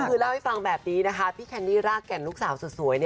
คือเล่าให้ฟังแบบนี้นะคะพี่แคนดี้รากแก่นลูกสาวสุดสวย